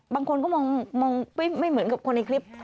บางคนก็มองไม่เหมือนกับคนในคลิป